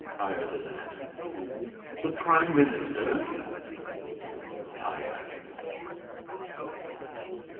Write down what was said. "Higher than that." "The prime minister?" "Higher."